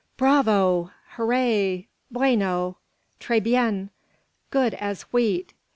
"Bravo!" "Hooray!" "Bueno!" "Tres bien!" "Good as wheat!"